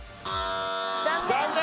残念。